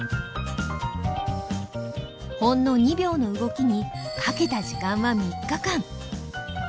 ほんの２秒の動きにかけた時間は３日間。